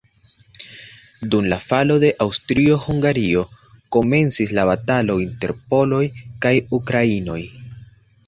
Dum la falo de Aŭstrio-Hungario komencis la batalo inter poloj kaj ukrainoj.